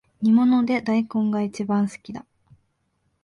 煮物で大根がいちばん好きだ